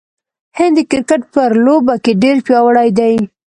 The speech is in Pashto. هند د کرکټ په لوبه کې ډیر پیاوړی دی.